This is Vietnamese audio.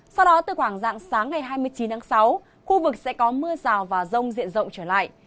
sau đó từ khoảng dạng sáng ngày hai mươi chín tháng sáu khu vực sẽ có mưa rào và rông diện rộng trở lại